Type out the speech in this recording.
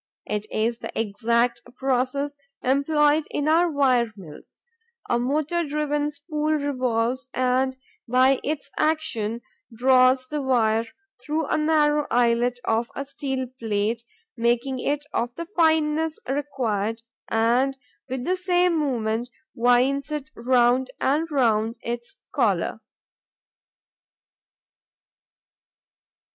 It is the exact process employed in our wire mills: a motor driven spool revolves and, by its action, draws the wire through the narrow eyelet of a steel plate, making it of the fineness required, and, with the same movement, winds it round and round its collar.